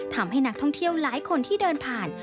ทำให้นักท่องเที่ยวหลายคนที่เดินผ่าน